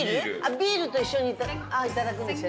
ビールと一緒に頂くんですよね。